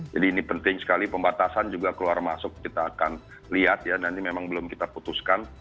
jadi ini penting sekali pembatasan juga keluar masuk kita akan lihat ya nanti memang belum kita putuskan